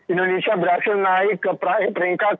indonesia berhasil naik ke peringkat satu ratus lima puluh tiga